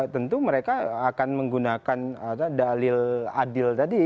tentu mereka akan menggunakan dalil adil tadi